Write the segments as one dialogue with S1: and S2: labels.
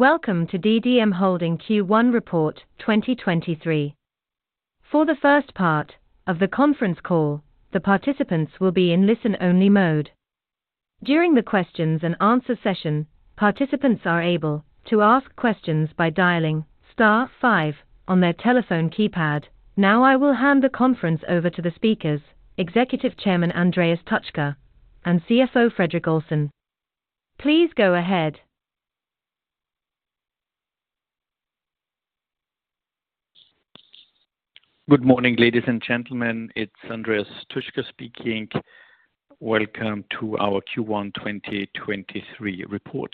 S1: Welcome to the DDM Holding Q1 Report 2023. For the first part of the conference call, participants will be in listen-only mode. During the question-and-answer session, participants may ask questions by dialing star five on their telephone keypad. I will now hand the conference over to the speakers: Executive Chairman, Andreas Tuczka, and CFO, Fredrik Olsson. Please go ahead.
S2: Good morning. This is Andreas Tuczka. Welcome to our Q1 2023 report.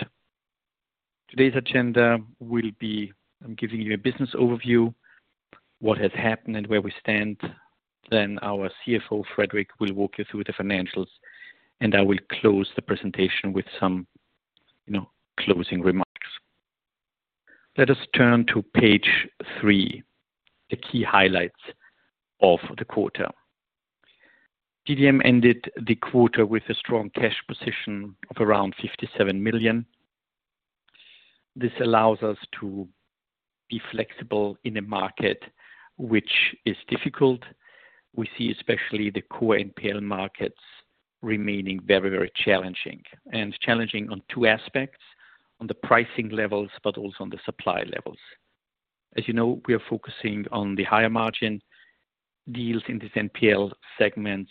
S2: Today’s agenda includes a business overview of recent developments and our current standing. Our CFO, Fredrik Olsson, will review the financials, and I will conclude the presentation with closing remarks. We are focusing on higher-margin deals within the NPL segments;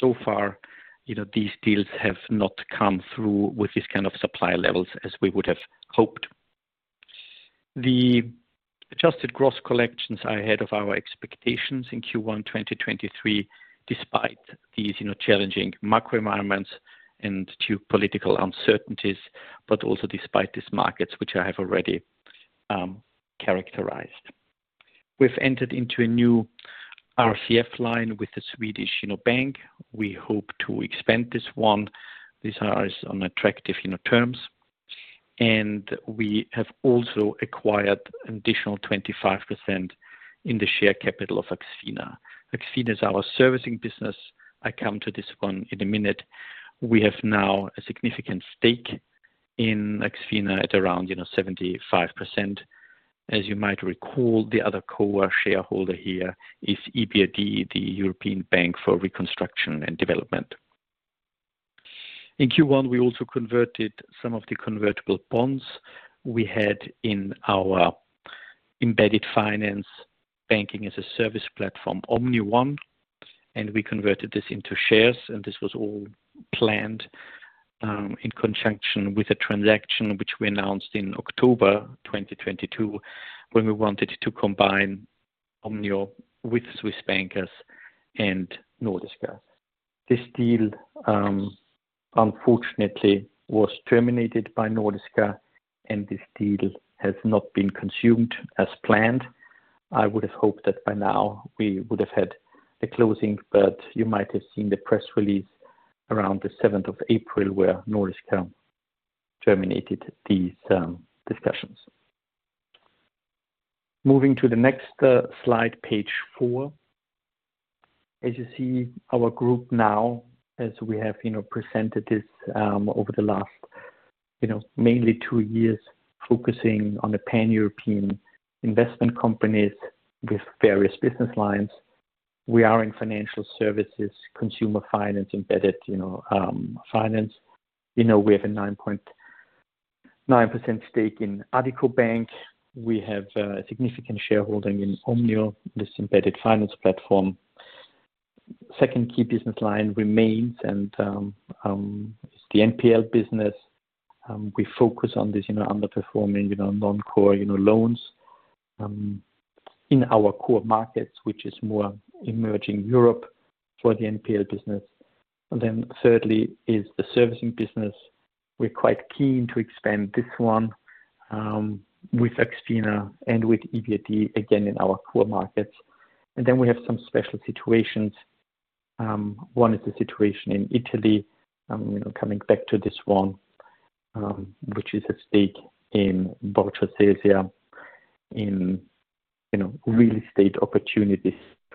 S2: however, the anticipated supply levels for these transactions have not yet materialized. Adjusted gross collections exceeded expectations in Q1 2023, despite the challenging macroeconomic environment, political uncertainties, and the market conditions previously characterized. As a reminder, the European Bank for Reconstruction and Development (EBRD) is the other co-shareholder. In Q1, we converted our convertible bonds in OmniOne, our embedded finance Banking-as-a-Service platform, into equity. This conversion was planned in conjunction with the transaction announced in October 2022 to combine Omnio with Swiss Bankers and Nordiska. The group's structure reflects our focus over the past two years on pan-European investment across various business lines. Our primary interests include financial services, consumer finance, and embedded finance. We currently hold a 9.9% stake in Addiko Bank and a significant shareholding in Omnio, our embedded finance platform. One significant special situation is our involvement in Italy, specifically regarding real estate opportunities on Borsa Italiana. Turning to page 5, I will provide further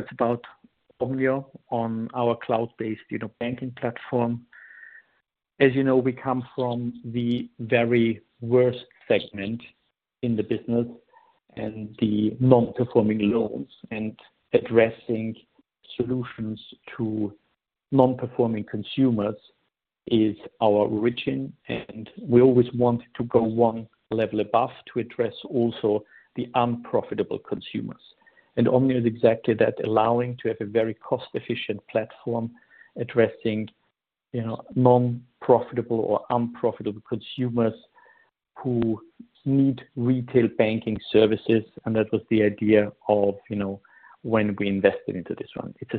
S2: detail on Omnio, our cloud-based banking platform. While our origins lie in the non-performing loan segment—providing solutions for non-performing consumers—our strategy is to move upstream to address the unprofitable consumer segment. Omnio is a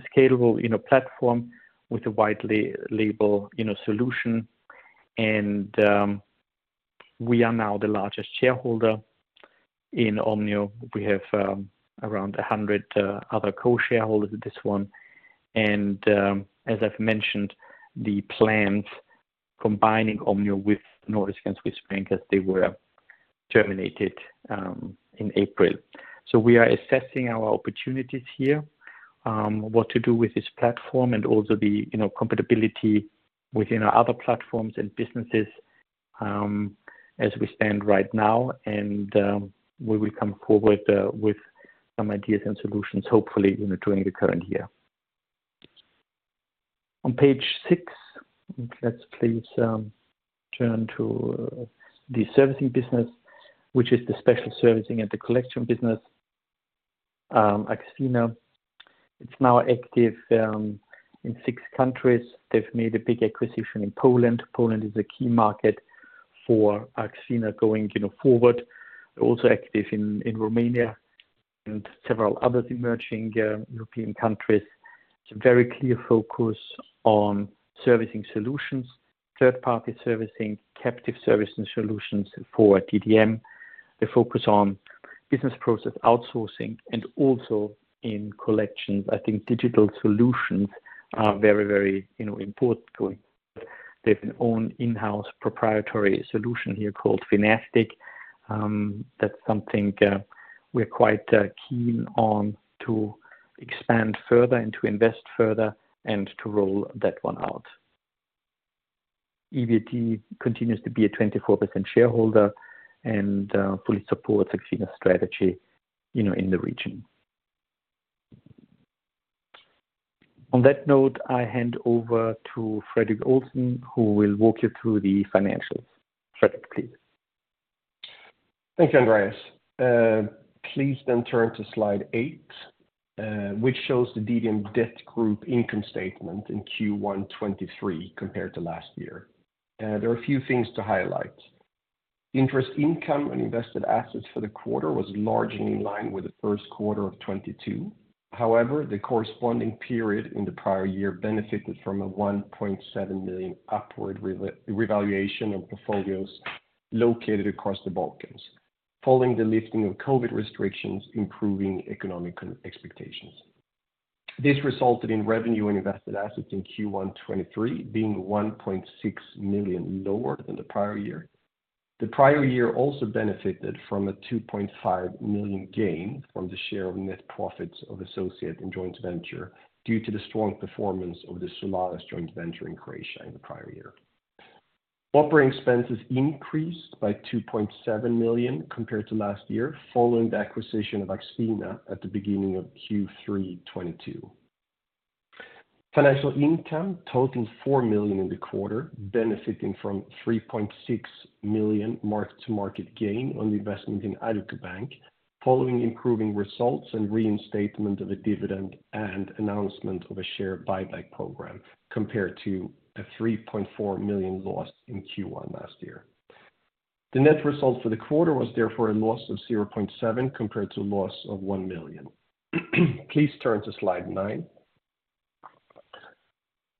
S2: scalable, white-label platform where DDM is now the largest shareholder alongside approximately 100 co-shareholders. Although the planned combination with Nordiska and Swiss Bankers was terminated in April, we are currently assessing opportunities for the platform and its compatibility with our other businesses. We intend to present further strategic solutions during the current year. Poland is a key market for AxFina and the company remains active in Romania and several other emerging European countries. The strategy focuses on third-party and captive servicing solutions for DDM, specifically regarding business process outsourcing and collections. Digital solutions are a priority, and we utilize an in-house proprietary platform called Finastic.
S3: Please turn to slide 8, which illustrates the DDM Debt Group income statement for Q1 2023 compared to the prior year. Interest income on invested assets for the quarter was largely in line with Q1 2022. However, the corresponding period in the prior year benefited from a 1.7 million upward revaluation of portfolios across the Balkans following the lifting of COVID-19 restrictions and improved economic expectations. Operating expenses increased by EUR 2.7 million year-over-year, following the acquisition of AxFina at the beginning of Q3 2022. Financial income totaled EUR 4 million for the quarter, supported by a 3.6 million mark-to-market gain on the Addiko Bank investment. This follows improved results, the reinstatement of a dividend, and the announcement of a share buyback program, compared to a 3.4 million loss in Q1 2022. We hold EUR 171 million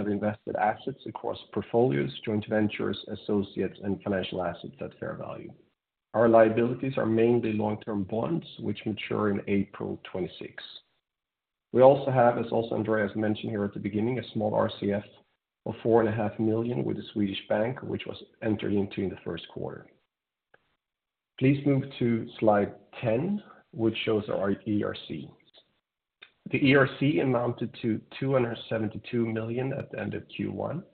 S3: in invested assets across portfolios, joint ventures, associates, and financial assets at fair value. Our liabilities consist primarily of long-term bonds maturing in April 2026. Additionally, we secured a EUR 4.5 million Revolving Credit Facility (RCF) with a Swedish bank during Q1. As illustrated in the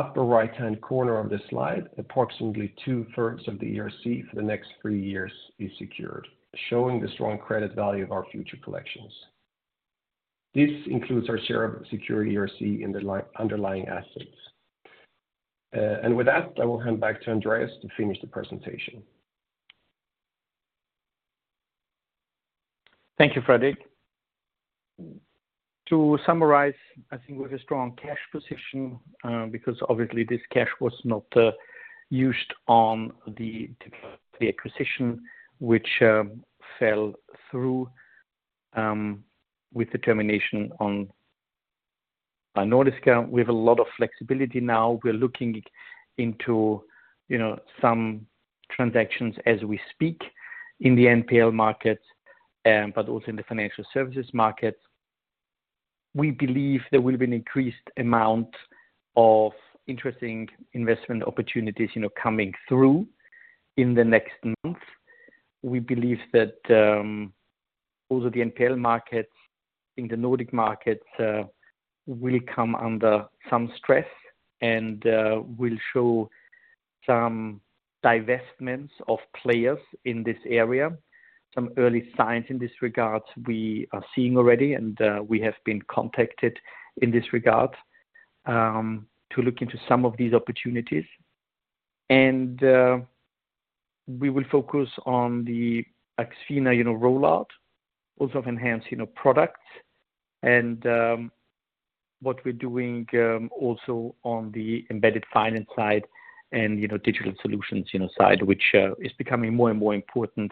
S3: upper right-hand corner of the slide, approximately two-thirds of the ERC for the next three years is secured. This demonstrates the strong credit value of our future collections. I will now hand the presentation back to Andreas for the concluding remarks.
S2: To summarize, our strong cash position—maintained following the termination of the Nordiska transaction—provides significant flexibility. We are currently evaluating several transactions in both the NPL and financial services markets. We anticipate an increasing volume of attractive investment opportunities emerging in the coming months. We will focus on the AxFina rollout while enhancing our embedded finance and digital solutions. These capabilities are increasingly critical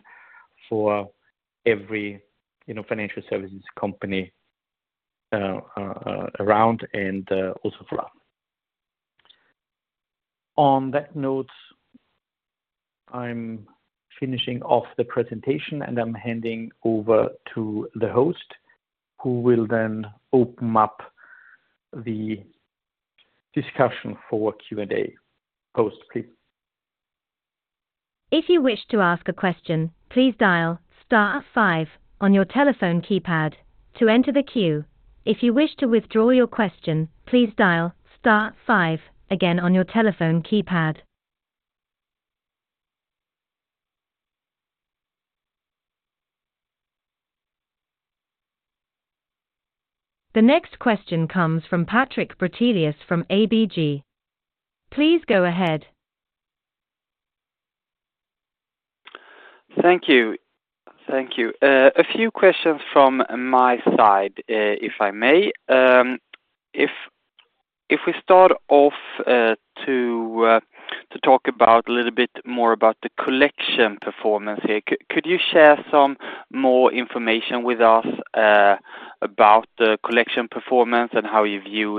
S2: for all financial services companies, including DDM. This concludes our formal presentation. I will now hand the call back to the operator to open the floor for the question-and-answer session.
S1: If you wish to ask a question, please dial star five on your telephone keypad to enter the queue. To withdraw your question, please dial star five again. The next question comes from Patrik Brattelid from ABG. Please go ahead.
S4: I have a few questions regarding collection performance. Could you provide more detail on recent performance and your outlook for the coming years? Additionally, could you clarify how the collection performance in Q1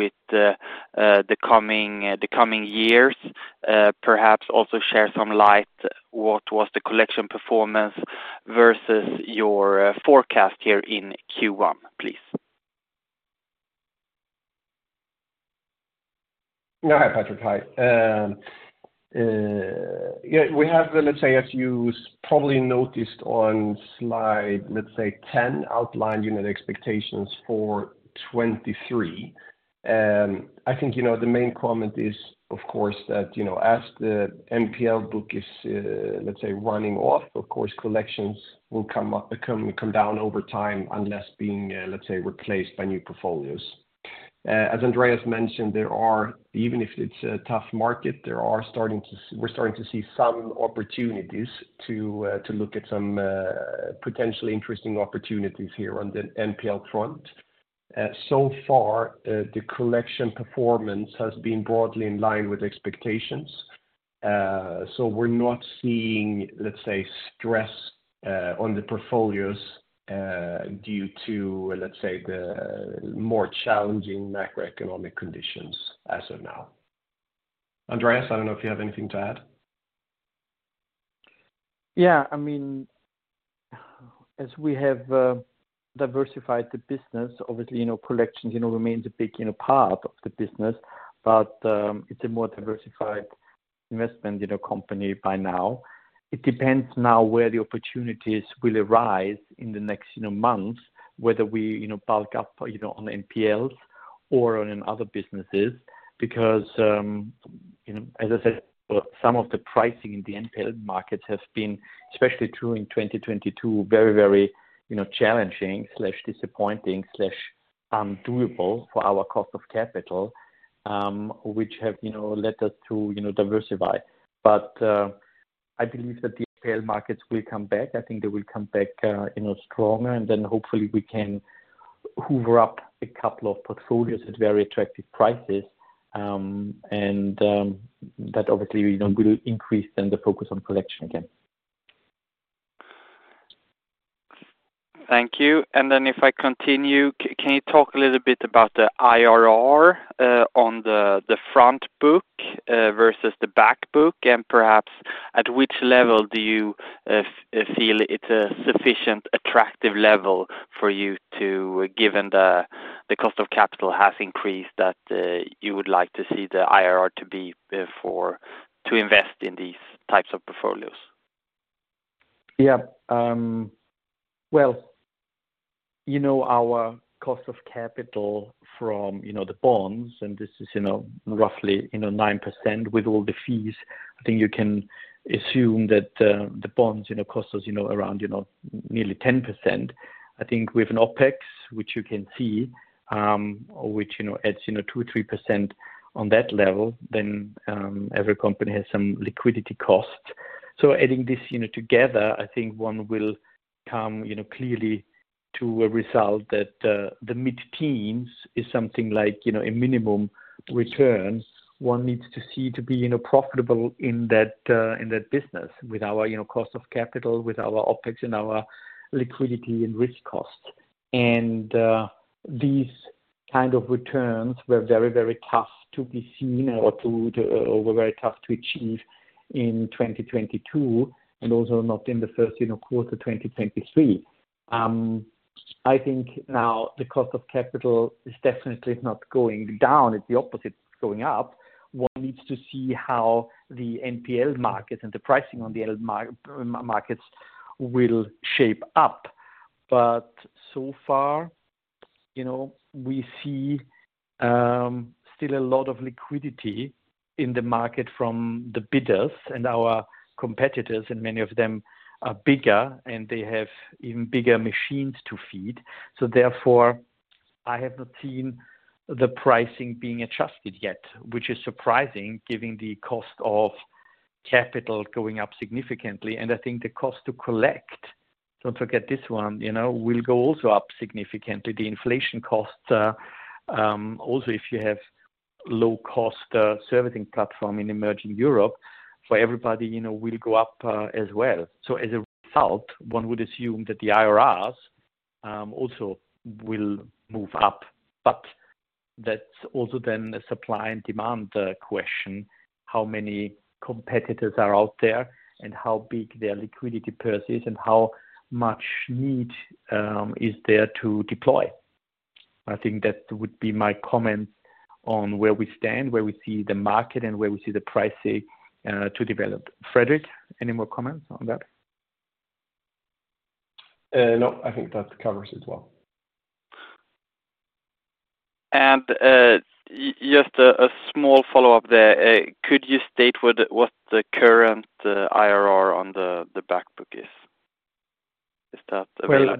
S4: compared against your internal forecasts?
S3: As outlined on slide 10 regarding our expectations for 2023, the primary factor is that as the NPL book runs off, collections will naturally decrease over time unless replaced by new portfolios. Although the market remains tough, we are identifying potentially attractive opportunities within the NPL sector. Andreas, do you have any additional comments?
S2: As we have diversified the business, DDM has evolved into a more varied investment company. While collections remain a significant component, our strategy depends on where the best opportunities arise over the coming months. We will decide whether to increase our position in NPLs or in our other business lines based on market conditions. That would obviously increase the focus on collections again.
S4: Could you discuss the internal rate of return (IRR) on the front book versus the back book? Given that the cost of capital has increased, at what IRR level do you find investment in these types of portfolios sufficiently attractive?
S2: Our cost of capital for the bonds is approximately 9%, or nearly 10% when including all associated fees. Additionally, our operating expenses (OpEx) add another 2% to 3%. When accounting for liquidity costs and risk premiums, it is clear that a mid-teens return is the minimum required to maintain profitability. Target returns were difficult to achieve in 2022 and remained challenging through Q1 2023. Currently, the cost of capital is increasing rather than declining. We must observe how NPL market pricing adjusts in response. To date, we still see significant liquidity from competitors, many of whom are larger entities with substantial operational requirements to satisfy. Inflationary pressures will inevitably increase costs for every servicing platform, even those in lower-cost regions of Emerging Europe. Consequently, one would expect internal rates of return (IRRs) to move higher. Ultimately, this is a matter of supply and demand, determined by the number of active competitors, the depth of their liquidity, and their urgency to deploy capital.
S3: That covers as with covers the topic thoroughly.
S4: Following up on that, could you state the current IRR on the back book? Is that information available?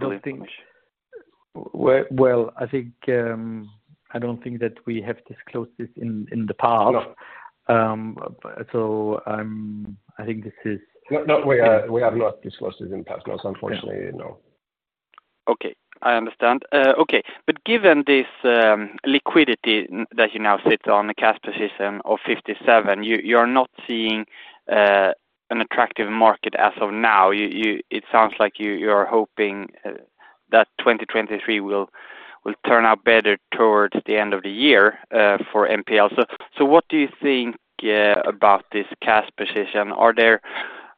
S2: I do not think that we have with the definitive we have not.
S3: is not available for disclosure at this time.
S4: I understand. Given this liquidity that you now sit on the cash position of 57 million, you're not seeing an attractive market as of now. It sounds like you're hoping that 2023 will turn out better towards the end of the year for NPL. What do you think about this cash position?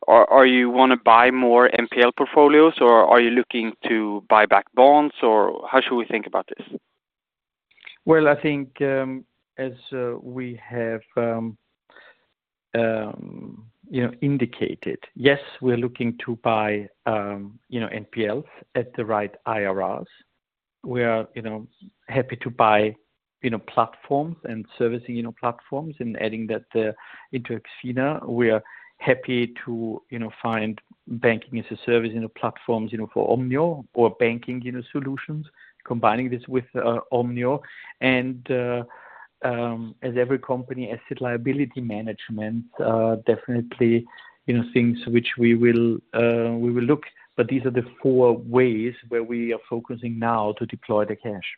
S4: Are you want to buy more NPL portfolios, or are you looking to buy back bonds, or how should we think about this?
S2: As we have indicated, yes, we are looking to buy NPLs at the right IRRs. We are happy to buy platforms and servicing platforms, and adding that into AxFina. We are happy to find Banking-as-a-Service in the platforms for Omnio or banking solutions, combining this with Omnio. As every company, asset liability management, definitely things which we will, we will look, but these are the four ways where we are focusing now to deploy the cash.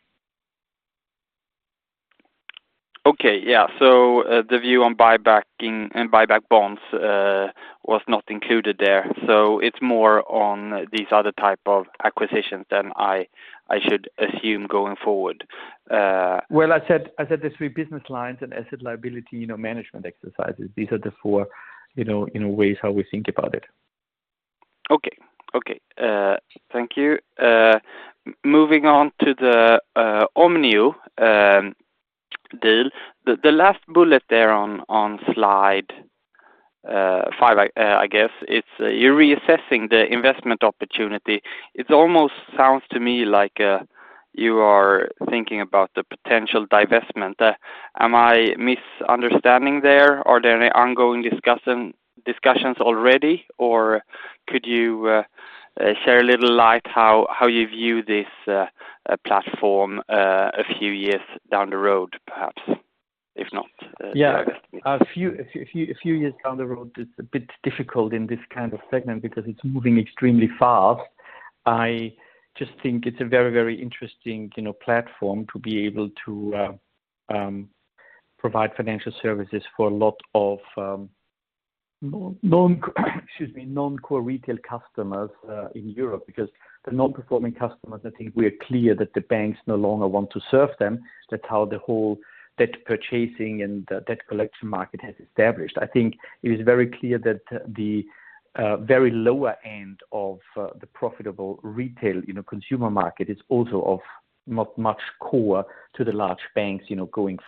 S4: The view on buybacking and buyback bonds was not included there. it is more on these other type of acquisitions than I should assume going forward.
S2: We prioritize three business lines alongside asset-liability management. These represent the four pillars of our strategic framework and how we evaluate capital allocation.
S4: Moving on to the Omnio deal, the final bullet on slide 5 mentions that you are reassessing the investment opportunity. This suggests a potential divestment. Am I misunderstanding the situation? Are there any ongoing discussions, or could you clarify how you view this platform’s trajectory over the next few years?
S2: Predicting a trajectory several years down the road is difficult in this segment because it evolves rapidly. However, Omnio is a compelling platform capable of providing financial services to non-core retail customers across Europe. Just as banks shifted away from serving non-performing customers—which established the debt purchasing and collection markets—we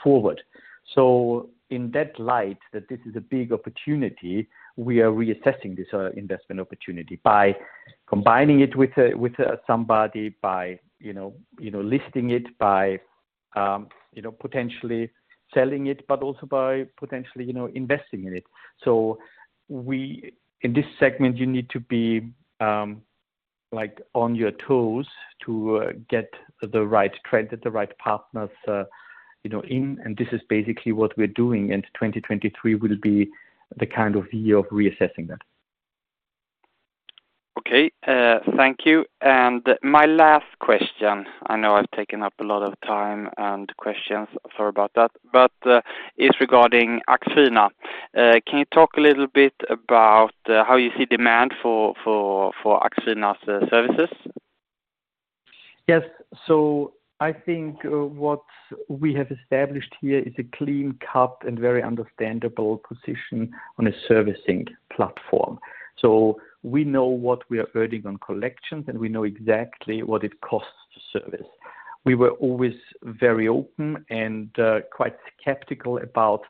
S2: see a similar trend in the retail sector. Given the scale of this opportunity, we are reassessing the investment through several potential paths: a strategic combination, a public listing, a divestment, or further internal investment. In this fast-moving segment, it is essential to remain agile to capitalize on the right trends and secure the most effective partners. Consequently, 2023 serves as a pivotal year for this reassessment.
S4: Thank you. My last question, I know I've taken up a lot of time and questions. Sorry about that, but, is regarding AxFina. Can you talk a little bit about how you see demand for AxFina's services?
S2: I think, what we have established here is a clean, cut, and very understandable position on a servicing platform. We know what we are earning on collections, and we know exactly what it costs to service. We were always very open and quite skeptical about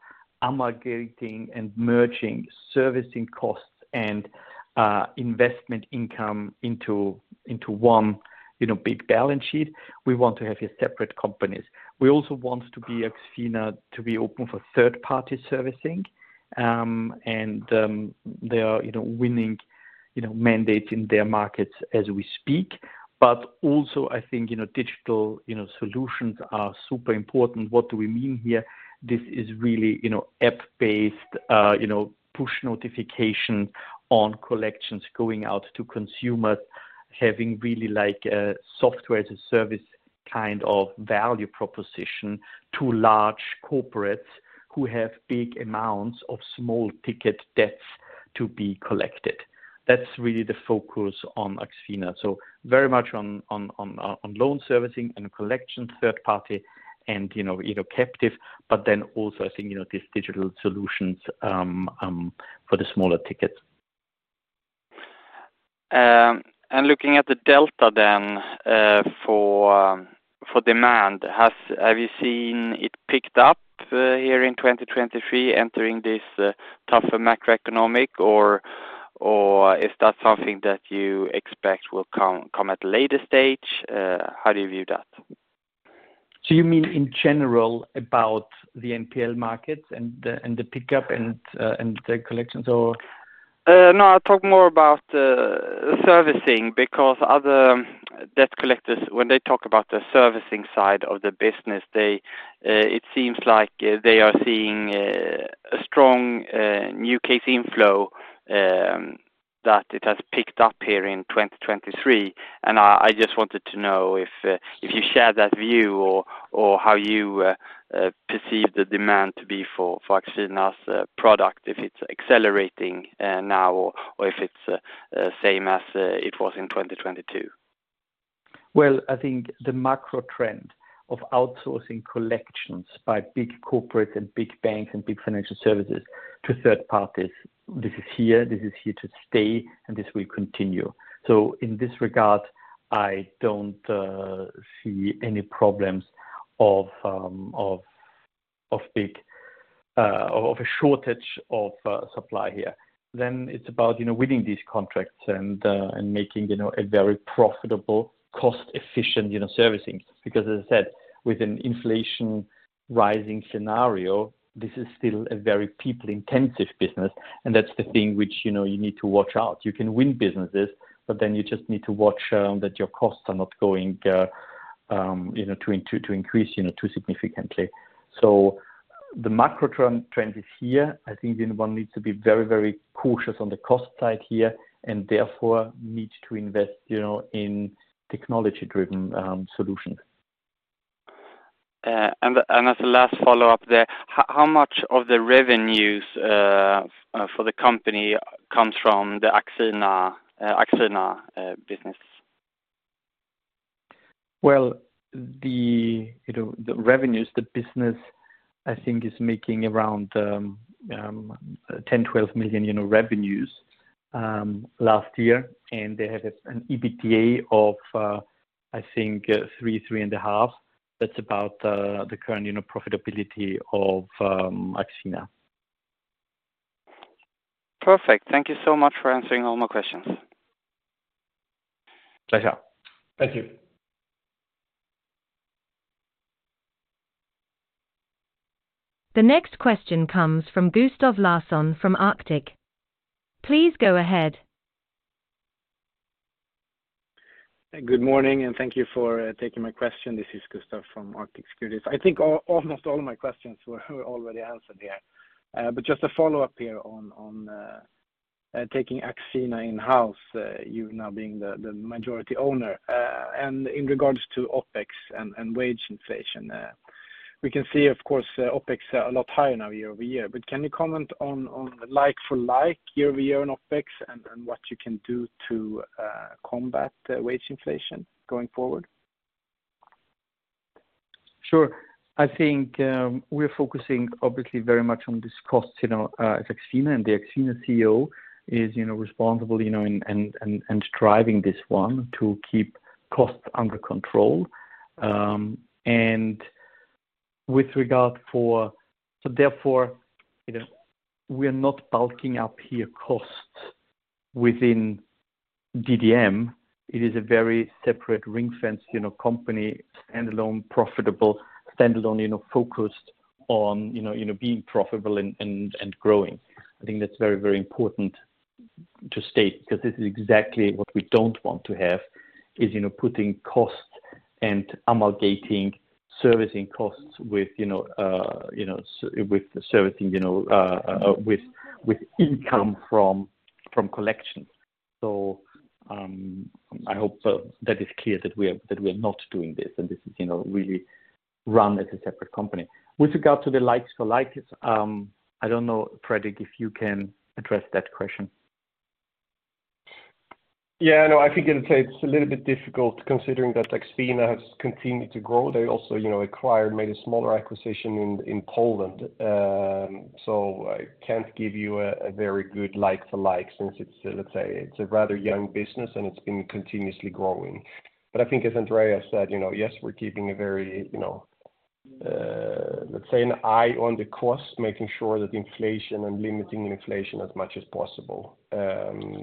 S2: amalgamating and merging servicing costs and investment income into one big balance sheet. We want to have a separate companies. We also want AxFina to be open for third-party servicing. They are winning mandates in their markets as we speak. Also, digital solutions are super important. What do we mean here? Our strategy is centered on an app-based approach, utilizing push notifications for consumer collections. This provides a Software-as-a-Service (SaaS) value proposition to large corporations managing high volumes of small-ticket debt. AxFina is focused primarily on third-party loan servicing and collections, as captive management. We believe these digital solutions are essential for the efficient recovery of smaller tickets.
S4: Regarding the shift in demand, have you seen an increase in activity during the first quarter of 2023 given the tougher macroeconomic climate, or do you expect that supply to materialize at a later stage?
S2: You mean in general about the NPL markets and the pickup and the collections or?
S4: I am referring specifically to the servicing side of the business. Other debt collectors have reported a strong increase in new case inflows during 2023. I would like to know if you share that view. Is demand for AxFina’s services accelerating, or has it remained consistent with the levels observed in 2022?
S2: The macro trend of large corporations and financial institutions outsourcing collections to third parties is firmly established and expected to continue. We do not anticipate a shortage of supply in this regard. The challenge lies in securing these contracts while maintaining a highly profitable and cost-efficient servicing operation. One needs to be very cautious on the cost side here, and therefore need to invest in technology-driven solutions.
S4: As a last follow-up there, how much of the revenues for the company comes from the AxFina business?
S2: AxFina generated approximately EUR 10 million to EUR 12 million in revenue last year, with an EBITDA of roughly 3.5 million. This reflects the current profitability profile of the servicing platform.
S4: Perfect. Thank you so much for answering all my questions.
S2: Pleasure.
S3: Thank you.
S1: The next question comes from Gustav Larsson from Arctic. Please go ahead.
S5: Good morning. Regarding the consolidation of AxFina as a majority-owned subsidiary, we note that operating expenses have increased significantly year-over-year. Could you provide a like-for-like comparison of OpEx and discuss the measures you are implementing to combat wage inflation moving forward?
S2: We are focused intently on cost management within AxFina, and the CEO of that platform is responsible for maintaining strict fiscal control. We are not increasing costs within DDM itself; rather, AxFina remains a separate, ring-fenced entity. It is a standalone, profitable company focused on growth and independent profitability. I hope that is clear that we are, that we are not doing this, and this is really run as a separate company. With regard to the likes for likes, if you can address that question.
S3: Yeah, no, I think it is a little bit difficult considering that AxFina has continued to grow. They also acquired, made a smaller acquisition in Poland. I can't give you a very good like to like, since it is, let's say, it is a rather young business and it is been continuously growing. I think as Andreas said yes, we are keeping a very let's say, an eye on the cost, making sure that inflation and limiting inflation as much as possible.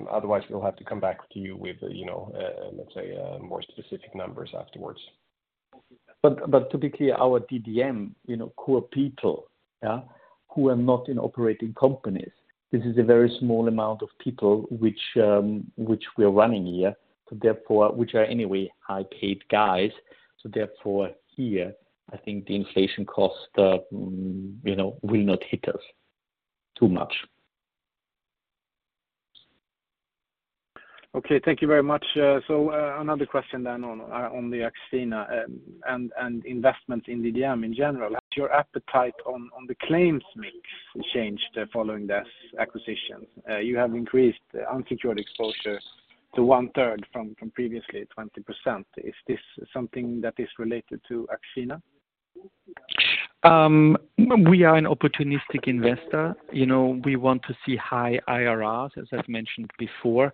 S3: Otherwise, we'll have to come back to you with let's say, more specific numbers afterwards.
S2: Typically our DDM, core people, yeah, who are not in operating companies. This is a very small amount of people which we are running here. Therefore, which are anyway, high-paid guys. Therefore, here, I think the inflation cost, will not hit us too much.
S5: Thank you very much. Another question then on AxFina and investment in DDM in general. Has your appetite on the claims mix changed following this acquisition? You have increased unsecured exposure to 1/3 from previously 20%. Is this something that is related to AxFina?
S2: We are an opportunistic investor. we want to see high IRRs, as I've mentioned before.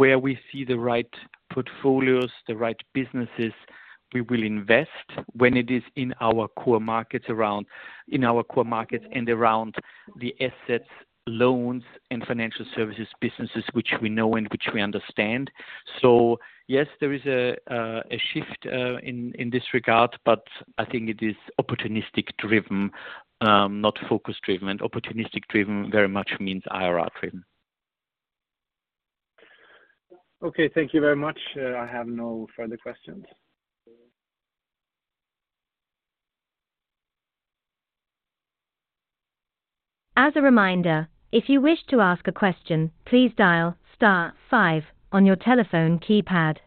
S2: Where we see the right portfolios, the right businesses, we will invest when it is in our core markets and around the assets, loans, and financial services businesses which we know and which we understand. Yes, there is a shift in this regard, but I think it is opportunistic driven, not focus driven. Opportunistic driven very much means IRR driven.
S5: Thank you very much. I have no further questions.
S1: As a reminder, if you wish to ask a question, please dial star five on your telephone keypad.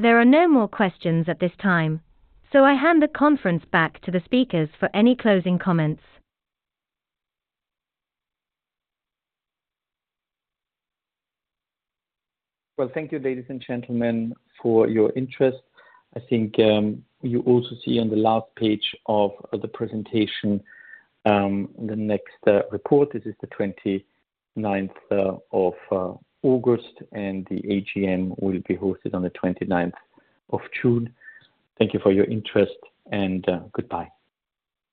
S1: There are no more questions at this time, so I hand the conference back to the speakers for any closing comments.
S2: thank you, ladies and gentlemen, for your interest. I think, you also see on the last page of the presentation, the next report. This is the 29th of August, and the AGM will be hosted on the 29th of June. Thank you for your interest, and goodbye.